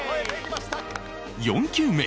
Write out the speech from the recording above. ４球目